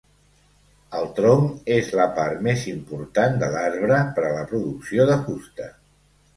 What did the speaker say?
El tronc és la part més important de l'arbre per a la producció de fusta.